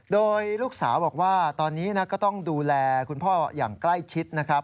โดยลูกสาวบอกว่าตอนนี้ก็ต้องดูแลคุณพ่ออย่างใกล้ชิดนะครับ